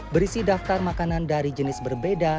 berisi daftar makanan dari jenis berbeda